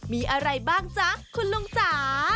มีอะไรบ้างจ๊ะคุณลุงจ๋า